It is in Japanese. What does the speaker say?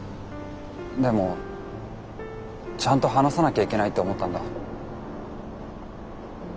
でもちゃんと話さなきゃいけないって思ったんだ。